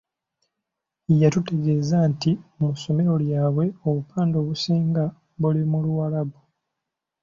Yatutegeeza nti mu ssomero lyabwe obupande obusinga buli mu Luwarabu.